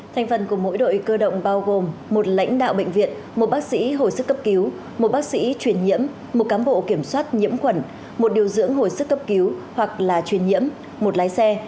thành phần của mỗi đội cơ động bao gồm một lãnh đạo bệnh viện một bác sĩ hồi sức cấp cứu một bác sĩ truyền nhiễm một cám bộ kiểm soát nhiễm quẩn một điều dưỡng hồi sức cấp cứu hoặc là truyền nhiễm một lái xe